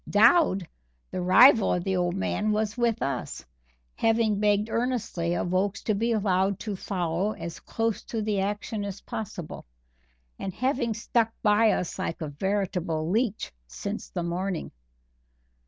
Dowd, the rival of the old man, was with us, having begged earnestly of Oakes to be allowed to follow as close to the action as possible, and having stuck by us like a veritable leech since the morning.